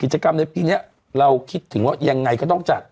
กิจกรรมในปีนี้เราคิดถึงว่ายังไงก็ต้องจัด